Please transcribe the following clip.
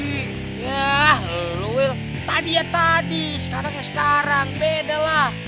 yah lo wil tadi ya tadi sekarang kayak sekarang beda lah